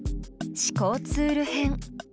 思考ツール編。